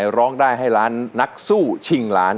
หรอกได้ให้ร้านนักสู้ชินักร้าน